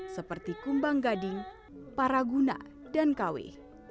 seperti kumbang gading paraguna dan kawi